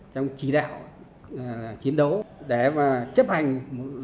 trong chỉ đạo chiến đấu để chấp hành mệnh lệnh của cấp trên